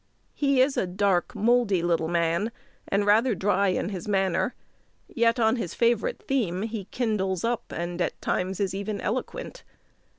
He is a dark, mouldy little man, and rather dry in his manner: yet, on his favourite theme, he kindles up, and at times is even eloquent.